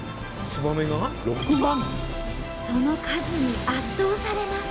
その数に圧倒されます。